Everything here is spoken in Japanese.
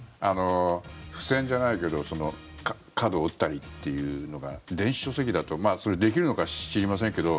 付せんじゃないけど角を折ったりっていうのが電子書籍だと、それができるのか知りませんけど。